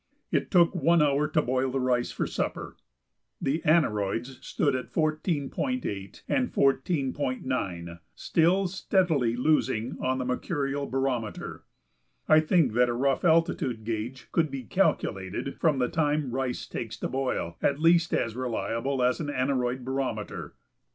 It took one hour to boil the rice for supper. The aneroids stood at 14.8 and 14.9, still steadily losing on the mercurial barometer. I think that a rough altitude gauge could be calculated from the time rice takes to boil at least as reliable as an aneroid barometer.